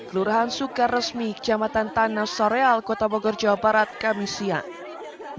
kelurahan sukaresmi kecamatan tanah soreal kota bogor jawa barat kami siang